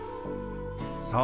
そう！